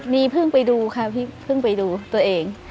นี่เพิ่งไปดูค่ะพี่เพิ่งไปดูตัวเอง